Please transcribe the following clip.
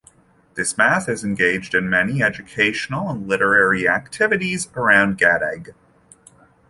This math is engaged in many educational and literary activities in and around Gadag.